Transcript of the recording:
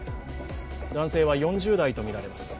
男性は４０代とみられます。